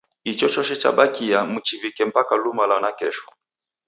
Ichochose chabakiaa mchiw'ike mpaka luma lwa nakesho.